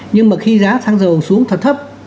nhưng mà khi giá sang dầu xuống thật thấp